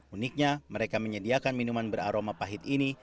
uniknya mereka menyediakan minuman beraroma pahit ini